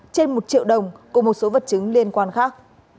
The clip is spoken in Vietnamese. trên một triệu đồng cùng một số vật chứng liên quan khác